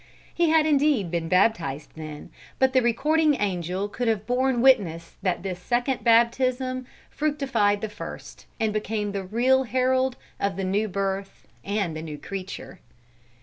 He had indeed been baptized then, but the recording angel could have borne witness that this second baptism fructified the first, and became the real herald of the new birth and the new creature.